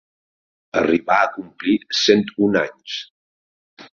Arribà a complir cent un anys.